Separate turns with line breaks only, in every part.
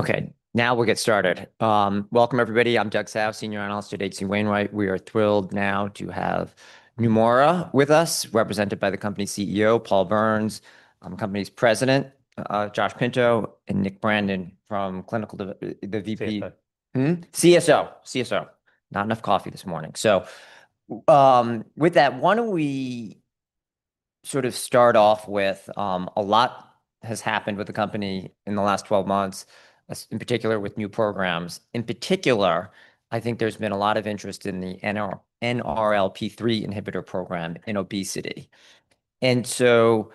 Okay, now we'll get started. Welcome, everybody. I'm Doug Tsao, Senior Analyst at H.C. Wainwright. We are thrilled now to have Neumora with us, represented by the company's CEO, Paul Berns, the company's president, Joshua Pinto, and Nick Brandon from Clinical Development.
CSO.
Not enough coffee this morning, so with that, why don't we sort of start off with a lot that has happened with the company in the last 12 months, in particular with new programs. In particular, I think there's been a lot of interest in the NLRP3 inhibitor program in obesity, and so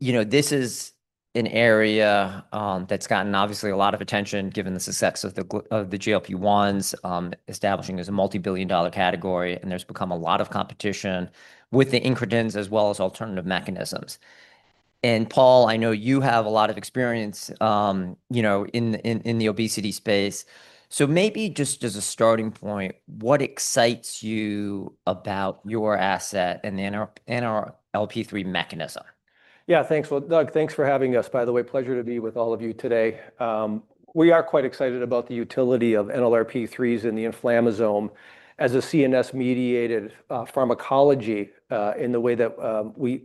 this is an area that's gotten obviously a lot of attention given the success of the GLP-1s, establishing as a multi-billion dollar category, and there's become a lot of competition with the incretins as well as alternative mechanisms. And Paul, I know you have a lot of experience in the obesity space, so maybe just as a starting point, what excites you about your asset and the NLRP3 mechanism?
Yeah, thanks. Doug, thanks for having us, by the way. Pleasure to be with all of you today. We are quite excited about the utility of NLRP3s and the inflammasome as a CNS-mediated pharmacology in the way that we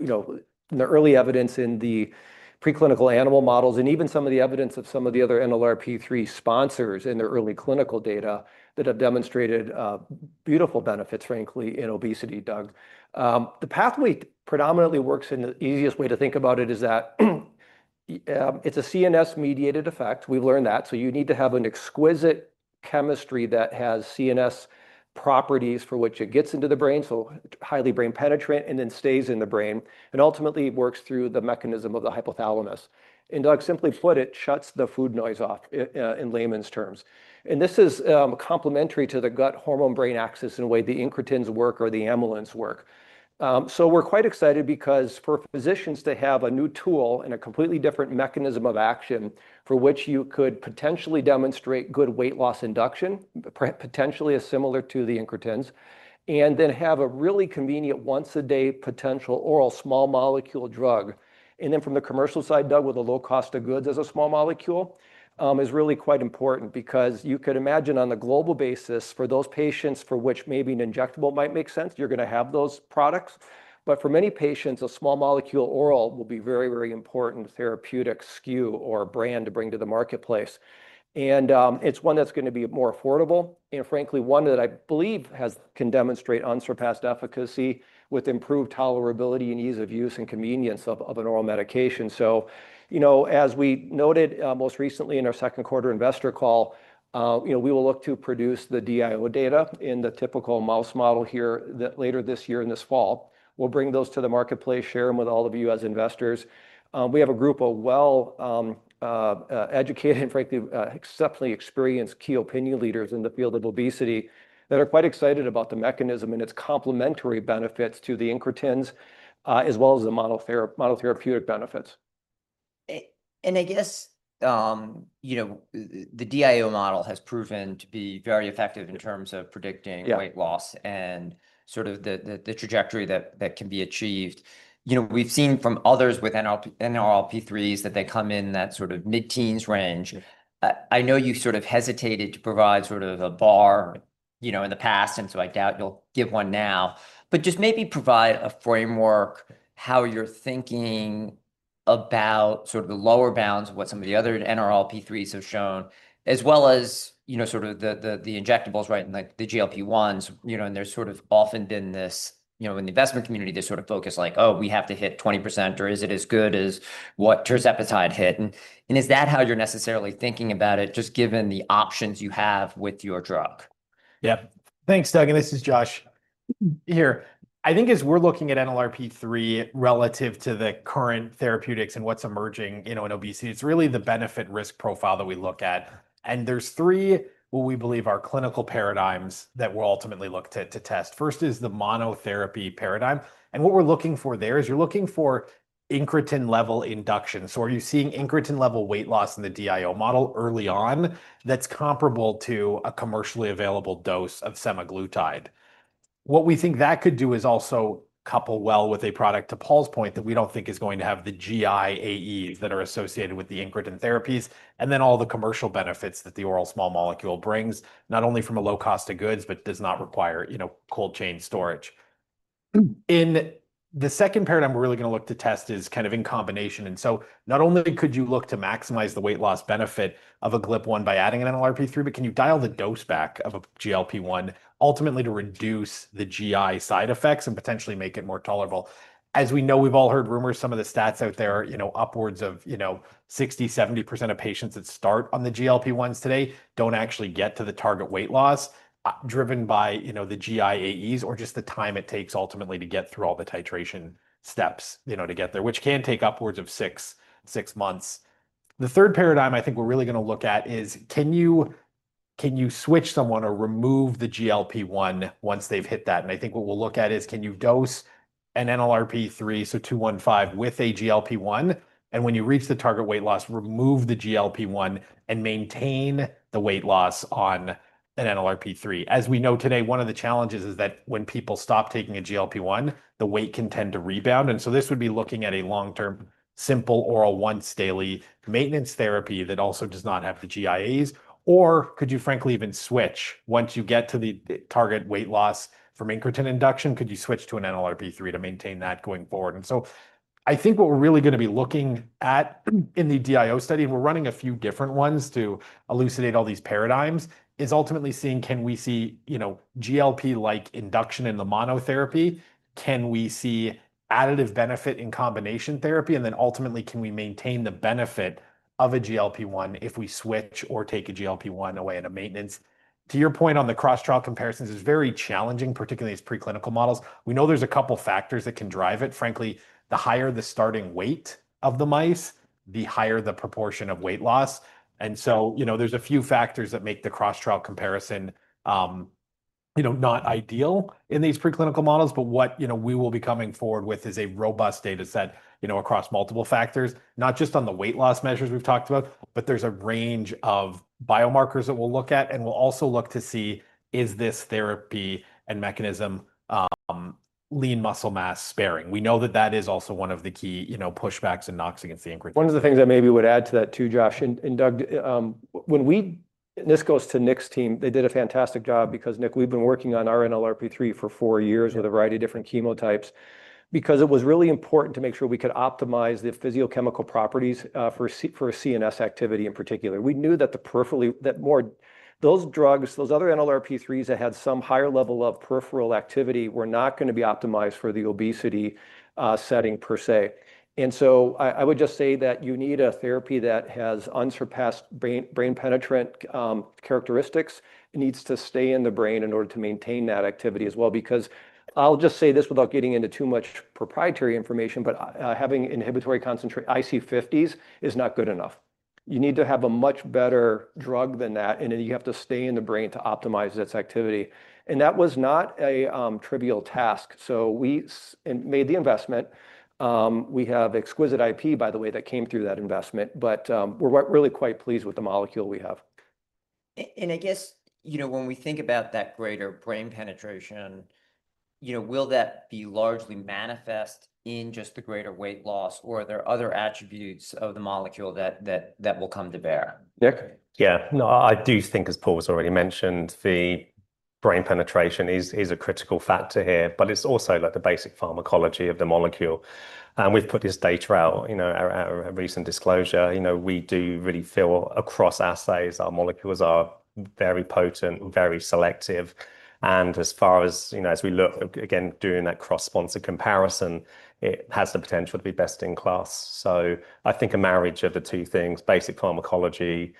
in the early evidence in the preclinical animal models and even some of the evidence of some of the other NLRP3 sponsors in their early clinical data that have demonstrated beautiful benefits, frankly, in obesity, Doug. The pathway predominantly works in the easiest way to think about it is that it's a CNS-mediated effect. We've learned that. So you need to have an exquisite chemistry that has CNS properties for which it gets into the brain, so highly brain penetrant, and then stays in the brain, and ultimately works through the mechanism of the hypothalamus. Doug simply put it, shuts the food noise off in layman's terms. And this is complementary to the gut-hormone-brain axis in the way the incretins work or the amylins work. So we're quite excited because for physicians to have a new tool and a completely different mechanism of action for which you could potentially demonstrate good weight loss induction, potentially similar to the incretins, and then have a really convenient once-a-day potential oral small molecule drug. And then from the commercial side, Doug, with a low cost of goods as a small molecule is really quite important because you could imagine on a global basis for those patients for which maybe an injectable might make sense, you're going to have those products. But for many patients, a small molecule oral will be a very, very important therapeutic SKU or brand to bring to the marketplace. It's one that's going to be more affordable and frankly, one that I believe can demonstrate unsurpassed efficacy with improved tolerability and ease of use and convenience of an oral medication. As we noted most recently in our second quarter investor call, we will look to produce the DIO data in the typical mouse model here later this year and this fall. We'll bring those to the marketplace, share them with all of you as investors. We have a group of well-educated and frankly, exceptionally experienced key opinion leaders in the field of obesity that are quite excited about the mechanism and its complementary benefits to the incretins as well as the monotherapeutic benefits.
And I guess the DIO model has proven to be very effective in terms of predicting weight loss and sort of the trajectory that can be achieved. We've seen from others with NLRP3s that they come in that sort of mid-teens range. I know you sort of hesitated to provide sort of a bar in the past, and so I doubt you'll give one now, but just maybe provide a framework how you're thinking about sort of the lower bounds of what some of the other NLRP3s have shown, as well as sort of the injectables and the GLP-1s. And there's sort of often been this in the investment community, there's sort of focus like, "Oh, we have to hit 20%," or, "Is it as good as what tirzepatide hit?" And is that how you're necessarily thinking about it just given the options you have with your drug?
Yeah. Thanks, Doug. And this is Josh here. I think as we're looking at NLRP3 relative to the current therapeutics and what's emerging in obesity, it's really the benefit-risk profile that we look at. And there's three what we believe are clinical paradigms that we'll ultimately look to test. First is the monotherapy paradigm. And what we're looking for there is you're looking for incretin-level induction. So are you seeing incretin-level weight loss in the DIO model early on that's comparable to a commercially available dose of semaglutide? What we think that could do is also couple well with a product, to Paul's point, that we don't think is going to have the GI AEs that are associated with the incretin therapies and then all the commercial benefits that the oral small molecule brings, not only from a low cost of goods, but does not require cold chain storage. In the second paradigm, we're really going to look to test is kind of in combination. And so not only could you look to maximize the weight loss benefit of a GLP-1 by adding an NLRP3, but can you dial the dose back of a GLP-1 ultimately to reduce the GI side effects and potentially make it more tolerable? As we know, we've all heard rumors, some of the stats out there, upwards of 60%, 70% of patients that start on the GLP-1s today don't actually get to the target weight loss driven by the GI AEs or just the time it takes ultimately to get through all the titration steps to get there, which can take upwards of six months. The third paradigm I think we're really going to look at is can you switch someone or remove the GLP-1 once they've hit that? And I think what we'll look at is can you dose an NLRP3, so 215 with a GLP-1, and when you reach the target weight loss, remove the GLP-1 and maintain the weight loss on an NLRP3? As we know today, one of the challenges is that when people stop taking a GLP-1, the weight can tend to rebound. And so this would be looking at a long-term simple oral once-daily maintenance therapy that also does not have the GI AEs. Or could you, frankly, even switch once you get to the target weight loss from incretin induction? Could you switch to an NLRP3 to maintain that going forward? And so I think what we're really going to be looking at in the DIO study, and we're running a few different ones to elucidate all these paradigms, is ultimately seeing can we see GLP-like induction in the monotherapy? Can we see additive benefit in combination therapy? And then ultimately, can we maintain the benefit of a GLP-1 if we switch or take a GLP-1 away in a maintenance? To your point on the cross-trial comparisons, it's very challenging, particularly in preclinical models. We know there's a couple of factors that can drive it. Frankly, the higher the starting weight of the mice, the higher the proportion of weight loss. And so there's a few factors that make the cross-trial comparison not ideal in these preclinical models. But what we will be coming forward with is a robust data set across multiple factors, not just on the weight loss measures we've talked about, but there's a range of biomarkers that we'll look at. And we'll also look to see is this therapy and mechanism lean muscle mass sparing? We know that that is also one of the key pushbacks and knocks against the incretin.
One of the things I maybe would add to that too, Josh and Doug, when we this goes to Nick's team, they did a fantastic job because, Nick, we've been working on our NLRP3 for four years with a variety of different chemotypes because it was really important to make sure we could optimize the physicochemical properties for CNS activity in particular. We knew that those drugs, those other NLRP3s that had some higher level of peripheral activity were not going to be optimized for the obesity setting per se, and so I would just say that you need a therapy that has unsurpassed brain penetrant characteristics. It needs to stay in the brain in order to maintain that activity as well because I'll just say this without getting into too much proprietary information, but having inhibitory concentration IC50s is not good enough. You need to have a much better drug than that, and then you have to stay in the brain to optimize its activity. And that was not a trivial task. So we made the investment. We have exquisite IP, by the way, that came through that investment, but we're really quite pleased with the molecule we have.
I guess when we think about that greater brain penetration, will that be largely manifest in just the greater weight loss, or are there other attributes of the molecule that will come to bear?
Nick?
Yeah. No, I do think, as Paul's already mentioned, the brain penetration is a critical factor here, but it's also like the basic pharmacology of the molecule. And we've put this data out, a recent disclosure. We do really feel, across assays, our molecules are very potent, very selective. And as far as we look, again, doing that cross-sponsored comparison, it has the potential to be best in class. So I think a marriage of the two things, basic pharmacology,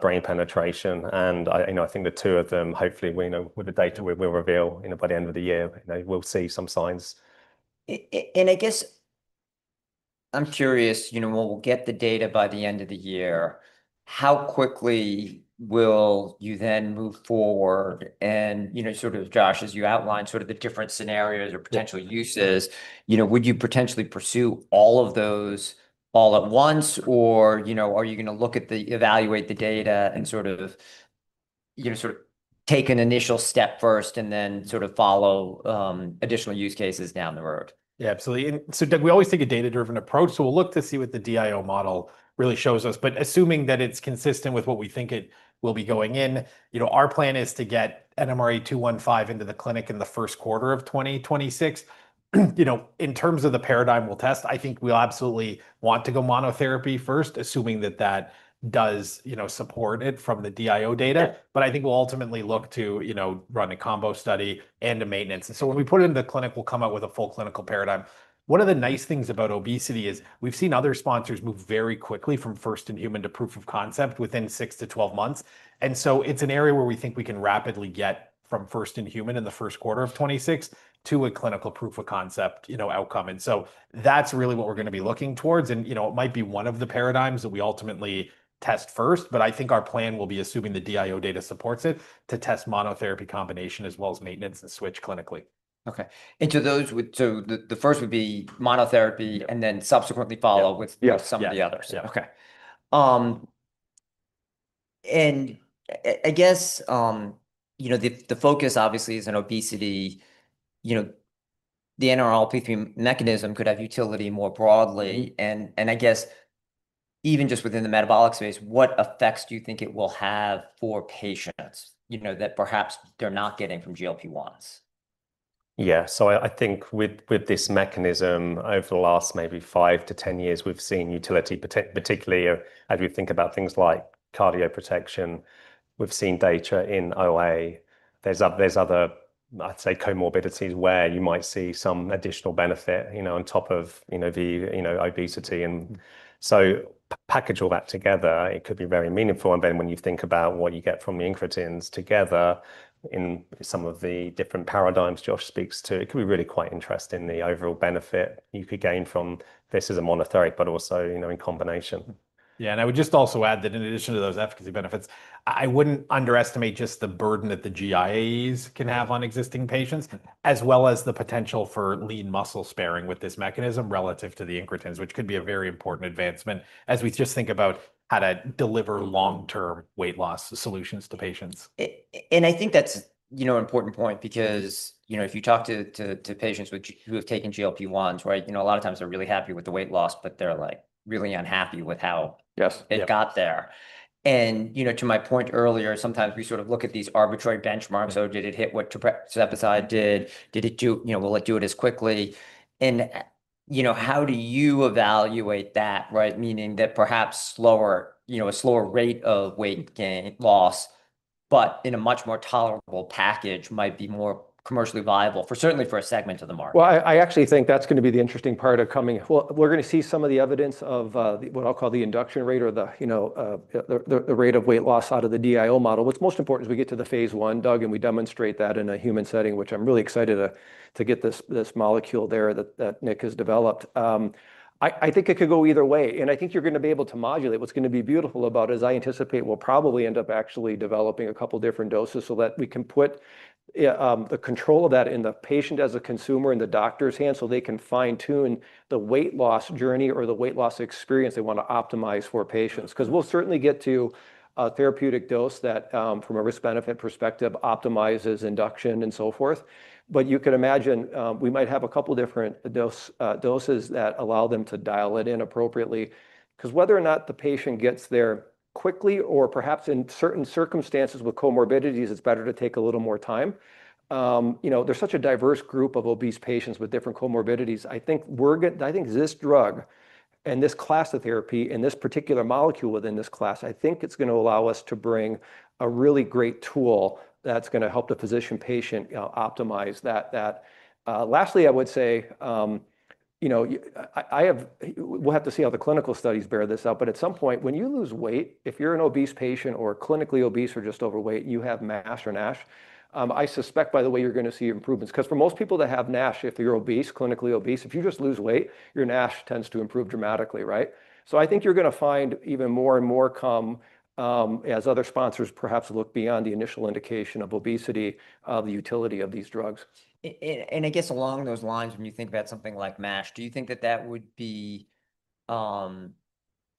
brain penetration, and I think the two of them, hopefully, with the data we will reveal by the end of the year, we'll see some signs.
I guess I'm curious, when we'll get the data by the end of the year, how quickly will you then move forward? Sort of, Josh, as you outlined sort of the different scenarios or potential uses, would you potentially pursue all of those all at once, or are you going to look to evaluate the data and sort of take an initial step first and then sort of follow additional use cases down the road?
Yeah, absolutely. And so, Doug, we always take a data-driven approach. So we'll look to see what the DIO model really shows us. But assuming that it's consistent with what we think it will be going in, our plan is to get NMRA-215 into the clinic in the first quarter of 2026. In terms of the paradigm we'll test, I think we'll absolutely want to go monotherapy first, assuming that that does support it from the DIO data. But I think we'll ultimately look to run a combo study and a maintenance. And so when we put it in the clinic, we'll come out with a full clinical paradigm. One of the nice things about obesity is we've seen other sponsors move very quickly from first in human to proof of concept within 6-12 months. And so it's an area where we think we can rapidly get from first in human in the first quarter of 2026 to a clinical proof of concept outcome. And so that's really what we're going to be looking towards. And it might be one of the paradigms that we ultimately test first, but I think our plan will be assuming the DIO data supports it to test monotherapy combination as well as maintenance and switch clinically.
Okay. And so the first would be monotherapy and then subsequently follow with some of the others.
Yeah.
Okay. And I guess the focus obviously is on obesity. The NLRP3 mechanism could have utility more broadly. And I guess even just within the metabolic space, what effects do you think it will have for patients that perhaps they're not getting from GLP-1s?
Yeah. So I think with this mechanism, over the last maybe five to 10 years, we've seen utility, particularly as we think about things like cardio protection. We've seen data in OA. There's other, I'd say, comorbidities where you might see some additional benefit on top of the obesity. And so package all that together, it could be very meaningful. And then when you think about what you get from the incretins together in some of the different paradigms Josh speaks to, it could be really quite interesting the overall benefit you could gain from this as a monotherapy, but also in combination.
Yeah. And I would just also add that in addition to those efficacy benefits, I wouldn't underestimate just the burden that the GI AEs can have on existing patients as well as the potential for lean muscle sparing with this mechanism relative to the incretins, which could be a very important advancement as we just think about how to deliver long-term weight loss solutions to patients.
And I think that's an important point because if you talk to patients who have taken GLP-1s, a lot of times they're really happy with the weight loss, but they're really unhappy with how it got there. And to my point earlier, sometimes we sort of look at these arbitrary benchmarks. Oh, did it hit what tirzepatide did? Did it do it will it do it as quickly? And how do you evaluate that, meaning that perhaps a slower rate of weight gain loss, but in a much more tolerable package might be more commercially viable, certainly for a segment of the market?
I actually think that's going to be the interesting part of coming. We're going to see some of the evidence of what I'll call the induction rate or the rate of weight loss out of the DIO model. What's most important is we get to the phase one, Doug, and we demonstrate that in a human setting, which I'm really excited to get this molecule there that Nick has developed. I think it could go either way, and I think you're going to be able to modulate. What's going to be beautiful about it is I anticipate we'll probably end up actually developing a couple of different doses so that we can put the control of that in the patient as a consumer in the doctor's hands so they can fine-tune the weight loss journey or the weight loss experience they want to optimize for patients. Because we'll certainly get to a therapeutic dose that, from a risk-benefit perspective, optimizes induction and so forth. But you can imagine we might have a couple of different doses that allow them to dial it in appropriately. Because whether or not the patient gets there quickly or perhaps in certain circumstances with comorbidities, it's better to take a little more time. There's such a diverse group of obese patients with different comorbidities. I think this drug and this class of therapy and this particular molecule within this class, I think it's going to allow us to bring a really great tool that's going to help the physician-patient optimize that. Lastly, I would say we'll have to see how the clinical studies bear this out. But at some point, when you lose weight, if you're an obese patient or clinically obese or just overweight, you have NASH. I suspect, by the way, you're going to see improvements. Because for most people that have NASH, if you're obese, clinically obese, if you just lose weight, your NASH tends to improve dramatically. So I think you're going to find even more and more come as other sponsors perhaps look beyond the initial indication of obesity of the utility of these drugs.
I guess along those lines, when you think about something like NASH, do you think that that would be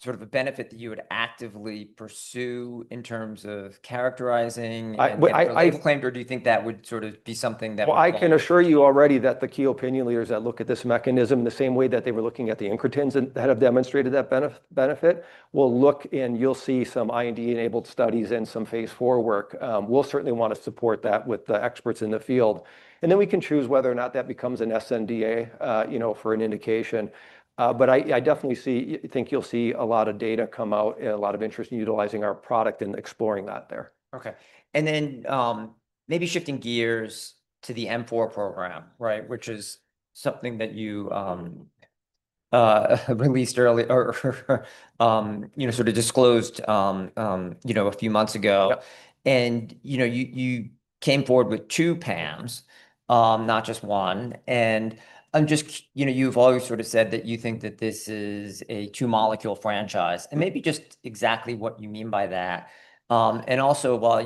sort of a benefit that you would actively pursue in terms of characterizing?
I.
Claimed, or do you think that would sort of be something that would?
I can assure you already that the key opinion leaders that look at this mechanism, the same way that they were looking at the incretins that have demonstrated that benefit, will look, and you'll see some IND-enabled studies and some phase four work. We'll certainly want to support that with the experts in the field. Then we can choose whether or not that becomes an SNDA for an indication. I definitely think you'll see a lot of data come out and a lot of interest in utilizing our product and exploring that there.
Okay. And then maybe shifting gears to the M4 program, which is something that you released early or sort of disclosed a few months ago. And you came forward with two PAMs, not just one. And you've always sort of said that you think that this is a two-molecule franchise. And maybe just exactly what you mean by that. And also, while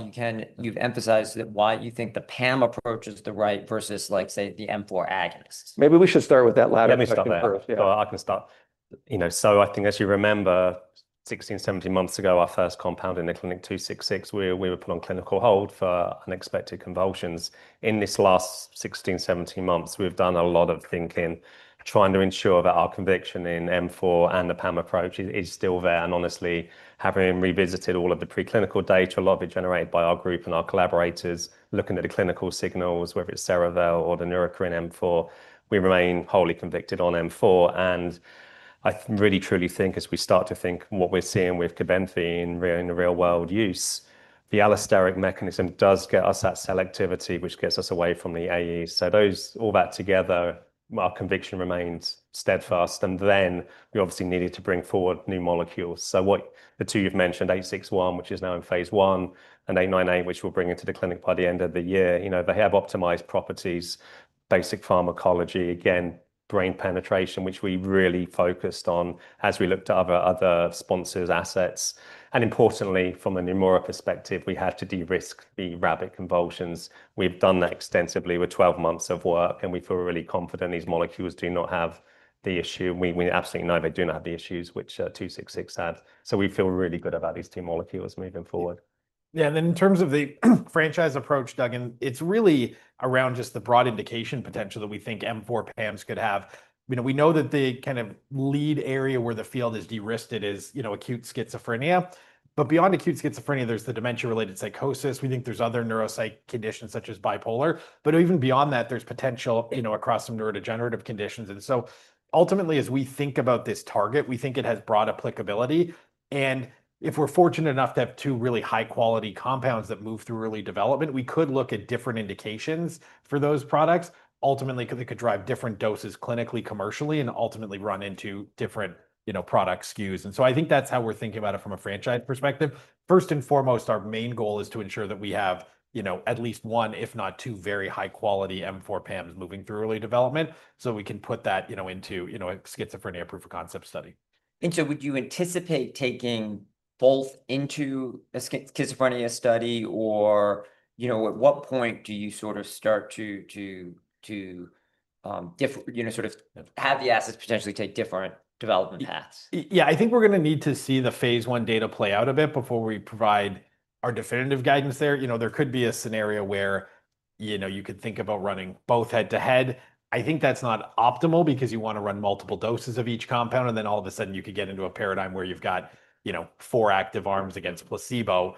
you've emphasized why you think the PAM approach is the right versus, say, the M4 agonist.
Maybe we should start with that latter piece of the.
Let me start with that. So I can start. So I think, as you remember, 16, 17 months ago, our first compound in the clinic NMRA-266, we were put on clinical hold for unexpected convulsions. In this last 16, 17 months, we've done a lot of thinking, trying to ensure that our conviction in M4 and the PAM approach is still there. And honestly, having revisited all of the preclinical data, a lot of it generated by our group and our collaborators looking at the clinical signals, whether it's Cerevel or the Neurocrine M4, we remain wholly convicted on M4. And I really, truly think, as we start to think what we're seeing with Cobenfy in the real-world use, the allosteric mechanism does get us that selectivity, which gets us away from the AEs. So all that together, our conviction remains steadfast. Then we obviously needed to bring forward new molecules. The two you've mentioned, 861, which is now in phase one, and 898, which we'll bring into the clinic by the end of the year, they have optimized properties, basic pharmacology, again, brain penetration, which we really focused on as we looked at other sponsors' assets. Importantly, from a Neumora perspective, we had to de-risk the rabbit convulsions. We've done that extensively with 12 months of work, and we feel really confident these molecules do not have the issue. We absolutely know they do not have the issues which 266 had. We feel really good about these two molecules moving forward.
Yeah. And then in terms of the franchise approach, Doug, and it's really around just the broad indication potential that we think M4 PAMs could have. We know that the kind of lead area where the field is de-risked is acute schizophrenia. But beyond acute schizophrenia, there's the dementia-related psychosis. We think there's other neuropsych conditions such as bipolar. But even beyond that, there's potential across some neurodegenerative conditions. And so ultimately, as we think about this target, we think it has broad applicability. And if we're fortunate enough to have two really high-quality compounds that move through early development, we could look at different indications for those products. Ultimately, they could drive different doses clinically, commercially, and ultimately run into different product SKUs. And so I think that's how we're thinking about it from a franchise perspective. First and foremost, our main goal is to ensure that we have at least one, if not two, very high-quality M4 PAMs moving through early development so we can put that into a schizophrenia proof of concept study.
And so would you anticipate taking both into a schizophrenia study, or at what point do you sort of start to have the assets potentially take different development paths?
Yeah. I think we're going to need to see the phase 1 data play out a bit before we provide our definitive guidance there. There could be a scenario where you could think about running both head-to-head. I think that's not optimal because you want to run multiple doses of each compound, and then all of a sudden, you could get into a paradigm where you've got four active arms against placebo.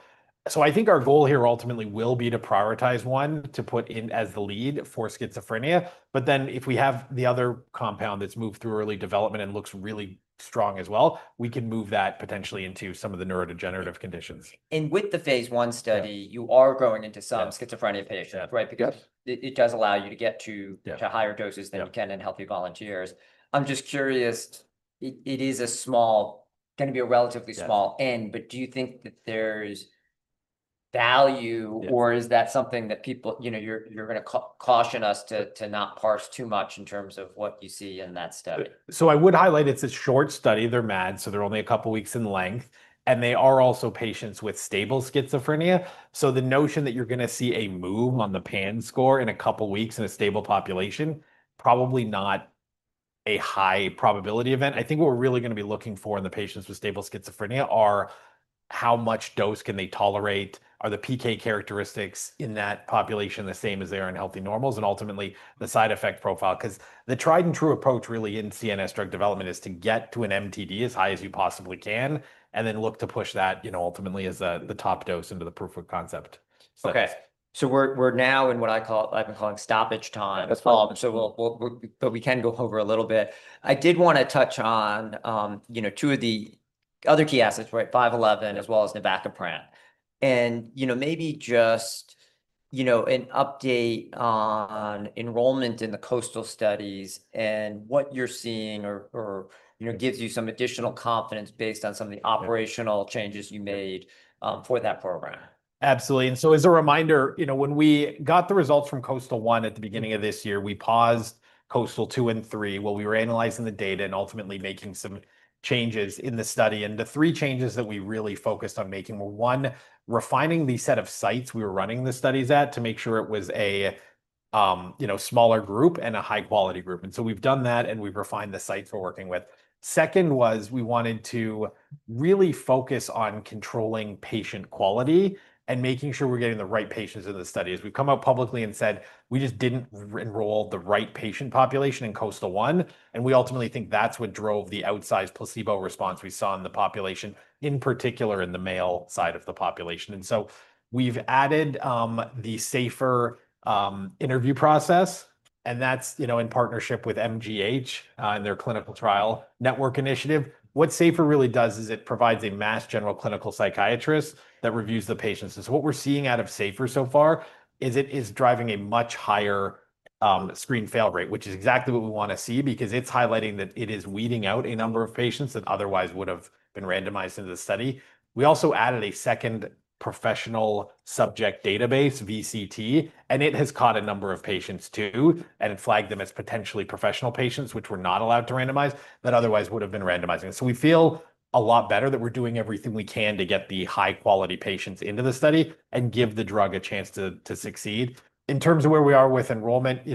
So I think our goal here ultimately will be to prioritize one to put in as the lead for schizophrenia. But then if we have the other compound that's moved through early development and looks really strong as well, we can move that potentially into some of the neurodegenerative conditions.
With the phase one study, you are growing into some schizophrenia patients, right? Because it does allow you to get to higher doses than you can in healthy volunteers. I'm just curious. It is a small n, going to be a relatively small n, but do you think that there's value, or is that something that you're going to caution us to not parse too much in terms of what you see in that study?
So I would highlight it's a short study. They're Phase 1, so they're only a couple of weeks in length. And they are also patients with stable schizophrenia. So the notion that you're going to see a move on the PANSS score in a couple of weeks in a stable population, probably not a high probability event. I think what we're really going to be looking for in the patients with stable schizophrenia are how much dose can they tolerate? Are the PK characteristics in that population the same as they are in healthy normals? And ultimately, the side effect profile. Because the tried-and-true approach really in CNS drug development is to get to an MTD as high as you possibly can and then look to push that ultimately as the top dose into the proof of concept.
Okay, so we're now in what I've been calling stoppage time.
That's fine.
But we can go over a little bit. I did want to touch on two of the other key assets, right? 511 as well as navacaprant. And maybe just an update on enrollment in the Coastal studies and what you're seeing or gives you some additional confidence based on some of the operational changes you made for that program.
Absolutely, and so as a reminder, when we got the results from KOSTAL-1 at the beginning of this year, we paused KOSTAL-2 and KOSTAL-3 while we were analyzing the data and ultimately making some changes in the study, and the three changes that we really focused on making were one, refining the set of sites we were running the studies at to make sure it was a smaller group and a high-quality group. And so we've done that, and we've refined the sites we're working with. Second was we wanted to really focus on controlling patient quality and making sure we're getting the right patients in the study. As we've come out publicly and said, we just didn't enroll the right patient population in KOSTAL-1. We ultimately think that's what drove the outsized placebo response we saw in the population, in particular in the male side of the population. We've added the SAFER interview process, and that's in partnership with MGH and their Clinical Trial Network Initiative. What SAFER really does is it provides a Massachusetts General clinical psychiatrist that reviews the patients. What we're seeing out of SAFER so far is it is driving a much higher screen fail rate, which is exactly what we want to see because it's highlighting that it is weeding out a number of patients that otherwise would have been randomized into the study. We also added a second professional subject database, VCT, and it has caught a number of patients too, and it flagged them as potentially professional patients, which were not allowed to randomize, that otherwise would have been randomizing. So we feel a lot better that we're doing everything we can to get the high-quality patients into the study and give the drug a chance to succeed. In terms of where we are with enrollment,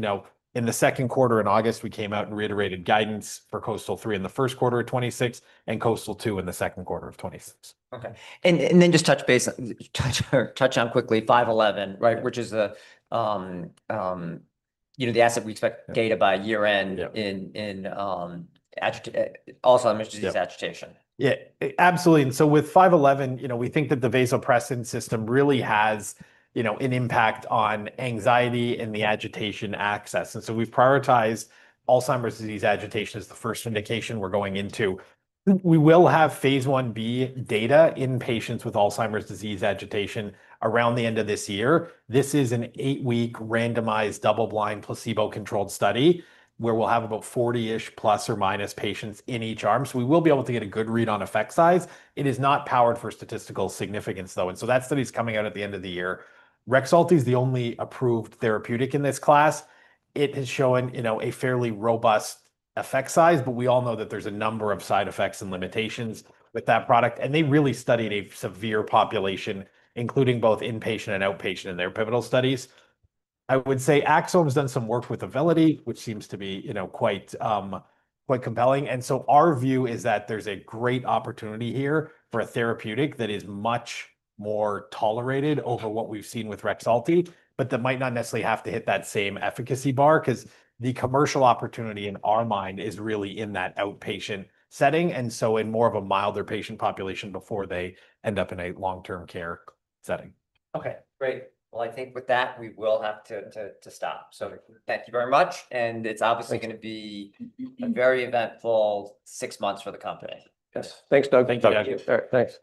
in the second quarter in August, we came out and reiterated guidance for KOSTAL-3 in the first quarter of 2026 and KOSTAL-2 in the second quarter of 2026.
Okay, and then just touch on quickly 511, which is the asset we expect data by year-end in Alzheimer's disease agitation.
Yeah. Absolutely. And so with NMRA-511, we think that the vasopressin system really has an impact on anxiety and the agitation axis. And so we've prioritized Alzheimer's disease agitation as the first indication we're going into. We will have phase 1B data in patients with Alzheimer's disease agitation around the end of this year. This is an eight-week randomized double-blind placebo-controlled study where we'll have about 40-ish plus or minus patients in each arm. So we will be able to get a good read on effect size. It is not powered for statistical significance, though. And so that study is coming out at the end of the year. Rexulti is the only approved therapeutic in this class. It has shown a fairly robust effect size, but we all know that there's a number of side effects and limitations with that product. They really studied a severe population, including both inpatient and outpatient in their pivotal studies. I would say Axsome has done some work with Auvelity, which seems to be quite compelling. And so our view is that there's a great opportunity here for a therapeutic that is much more tolerated over what we've seen with Rexulti, but that might not necessarily have to hit that same efficacy bar because the commercial opportunity in our mind is really in that outpatient setting, and so in more of a milder patient population before they end up in a long-term care setting.
Okay. Great. Well, I think with that, we will have to stop. So thank you very much. And it's obviously going to be a very eventful six months for the company.
Yes. Thanks, Doug.
Thank you.
Thanks.